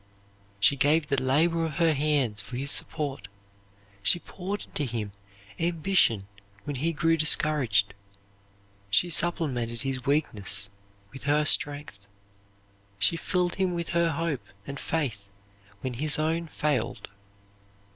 "She gave the labor of her hands for his support; she poured into him ambition when he grew discouraged; she supplemented his weakness with her strength; she filled him with her hope and faith when his own failed.